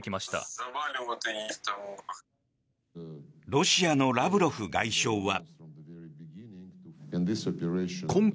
ロシアのラブロフ外相は。